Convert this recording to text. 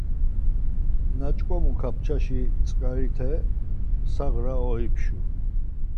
Na ç̌ǩomu kapçaşi tzǩarite sağra oipşu.